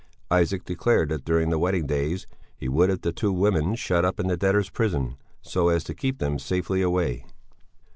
Isaac declared that during the wedding days he would have the two women shut up in the debtors' prison, so as to keep them safely away.